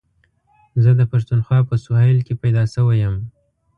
زه د پښتونخوا په سهېل کي پيدا شوی یم.